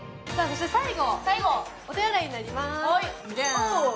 最後、お手洗いになります。